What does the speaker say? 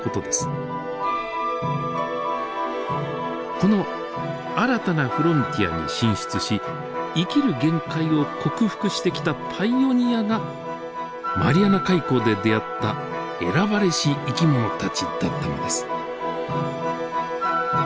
この新たなフロンティアに進出し生きる限界を克服してきたパイオニアがマリアナ海溝で出会った選ばれし生き物たちだったのです。